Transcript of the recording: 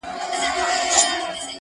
ور په یاد یې د دوږخ کړل عذابونه.!